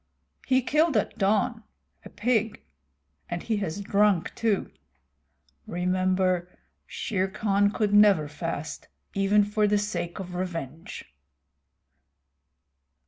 "He killed at dawn, a pig, and he has drunk too. Remember, Shere Khan could never fast, even for the sake of revenge."